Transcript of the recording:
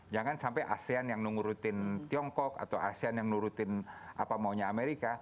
jangan sampai asean yang nurutin tiongkok atau asean yang nurutin apa maunya amerika